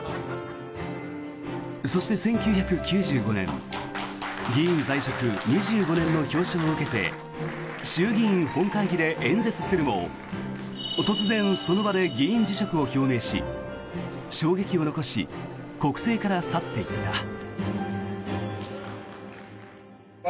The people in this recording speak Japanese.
そして、１９９５年議員在職２５年の表彰を受けて衆議院本会議で演説するも突然、その場で議員辞職を表明し衝撃を残し国政から去っていった。